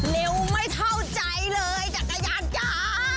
เร็วไม่เข้าใจเลยจักรยานจ้า